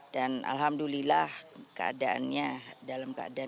dan alhamdulillah keadaannya dalam keadaan